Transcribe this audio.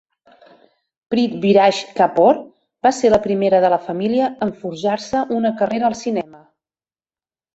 Prithviraj Kapoor va ser la primera de la família en forjar-se una carrera al cinema.